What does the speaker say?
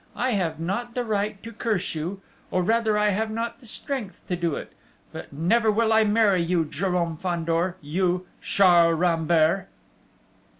I have not the right to curse you or rather I have not the strength to do it; but never will I marry you, Jérôme Fandor, you, Charles Rambert!..."